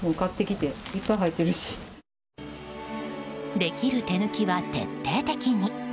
できる手抜きは徹底的に。